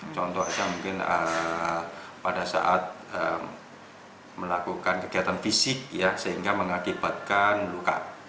contoh saja mungkin pada saat melakukan kegiatan fisik ya sehingga mengakibatkan luka